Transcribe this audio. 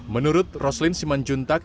menurut roslin simanjuntak